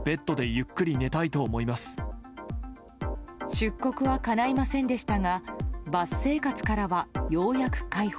出国はかないませんでしたがバス生活からは、ようやく解放。